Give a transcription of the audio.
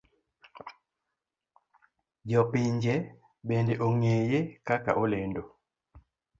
Jo pinje bende ong'eye kaka olendo.